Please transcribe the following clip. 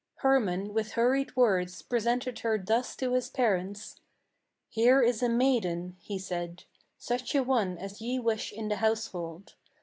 Hermann, with hurried words, presented her thus to his parents: "Here is a maiden," he said; "such a one as ye wish in the household.